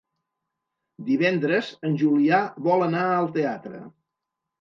Divendres en Julià vol anar al teatre.